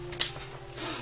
はあ。